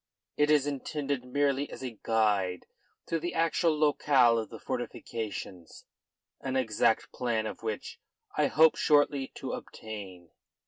It is intended merely as a guide to the actual locale of the fortifications, an exact plan of which I hope shortly to obtain."